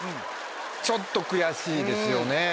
ちょっと悔しいですよね。